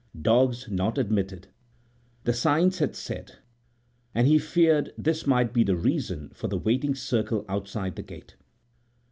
"Dogs not admitted," the signs had said, and he feared this might be the reason for the waiting circle outside the gate.